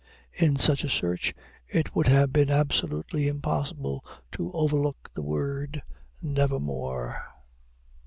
In such a search it would have been absolutely impossible to overlook the word "Nevermore."